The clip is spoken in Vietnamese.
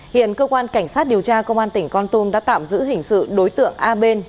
hiện cơ quan cảnh sát điều tra công an tỉnh con tum đã tạm giữ hình sự đối tượng a bên